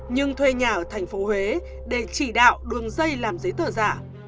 nhưng thuê nhà ở thành phố huế để chỉ đạo đường dây làm giấy tờ giả